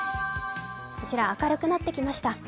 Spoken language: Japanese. こちら明るくなってきました。